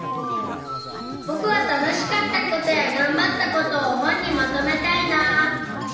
ぼくはたのしかったことやがんばったことをほんにまとめたいな。